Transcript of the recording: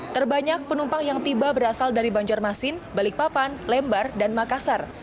terbanyak penumpang yang tiba berasal dari banjarmasin balikpapan lembar dan makassar